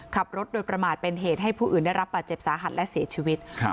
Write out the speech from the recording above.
ขับรถโดยประมาทเป็นเหตุให้ผู้อื่นได้รับบาดเจ็บสาหัสและเสียชีวิตครับ